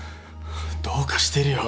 どうかしてるよ。